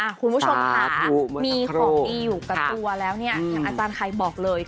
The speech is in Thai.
คุณผู้ชมค่ะมีของดีอยู่กับตัวแล้วเนี่ยอย่างอาจารย์ไข่บอกเลย